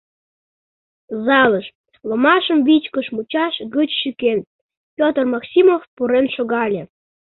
Залыш, ломашым вичкыж мучаш гыч шӱкен, Петр Максимов пурен шогале.